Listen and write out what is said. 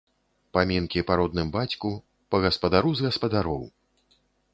Памінкі па родным бацьку, па гаспадару з гаспадароў!